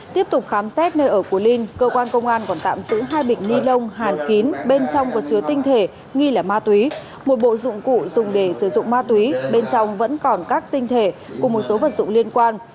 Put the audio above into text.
tiếp tục khám xét nơi ở của linh cơ quan công an còn tạm giữ hai bịch ni lông hàn kín bên trong có chứa tinh thể nghi là ma túy một bộ dụng cụ dùng để sử dụng ma túy bên trong vẫn còn các tinh thể cùng một số vật dụng liên quan